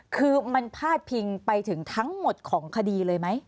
คือมันพาดพิงไปถึงทั้งหมดของคดีเลยไหม